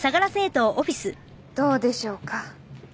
どうでしょうか？